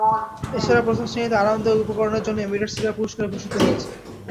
এ ছাড়া প্রথম শ্রেণিতে আরামদায়ক উপকরণের জন্য এমিরেটস্ সেরা পুরস্কারে ভূষিত হয়েছে।